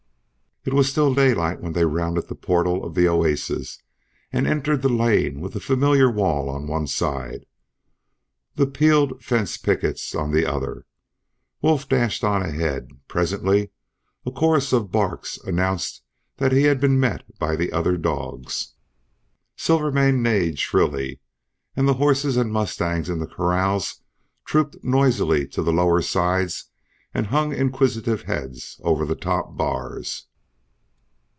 It was still daylight when they rounded the portal of the oasis and entered the lane with the familiar wall on one side, the peeled fence pickets on the other. Wolf dashed on ahead, and presently a chorus of barks announced that he had been met by the other dogs. Silvermane neighed shrilly, and the horses and mustangs in the corrals trooped noisily to the lower sides and hung inquisitive heads over the top bars.